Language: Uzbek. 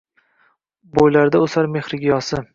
Bo’ylarida o’sar mehrigiyosi